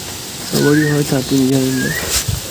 সবারই হয়, তা তিনি জানেন না।